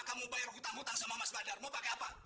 kamu bayar hutang hutang sama mas badar mau pakai apa